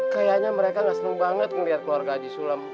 kayanya mereka gak seneng banget ngeliat keluarga haji sulem